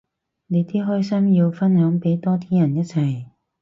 你啲開心要分享俾多啲人一齊